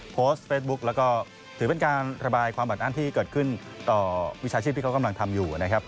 โพสต์เฟสบุ๊คแล้วก็ถือเป็นการระบายความอัดอั้นที่เกิดขึ้นต่อวิชาชีพที่เขากำลังทำอยู่นะครับ